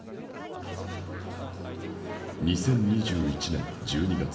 ２０２１年１２月。